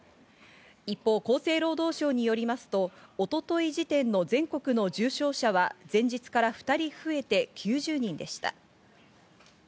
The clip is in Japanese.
一方、厚生労働省によりますと、一昨日時点の全国の重症者は前日から２人増えて９０人でした。